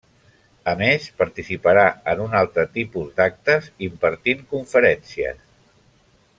A més participarà en un altre tipus d'actes impartint conferències.